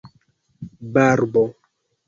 barbo